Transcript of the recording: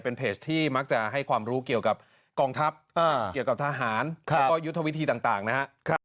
เป็นเพจที่มักจะให้ความรู้เกี่ยวกับกองทัพเกี่ยวกับทหารแล้วก็ยุทธวิธีต่างนะครับ